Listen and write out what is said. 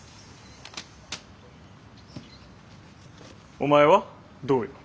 お前は？どうよ。